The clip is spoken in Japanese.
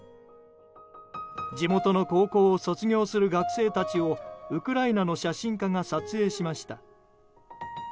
地元の高校を卒業する学生たちをウクライナの写真家が撮影しました。